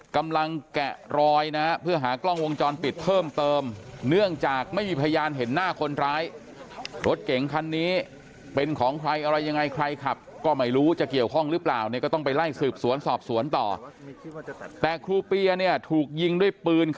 กำลังแกะรอยนับเพื่อหากล้องวงจรปิดเพิ่มเติมเนื่องจากไม่มีพยันเห็นหน้าคนไทย